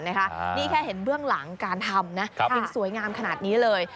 นี่แค่เห็นเบื้องหลังการทำนะยังสวยงามขนาดนี้เลย